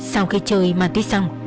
sau khi chơi ma túy xong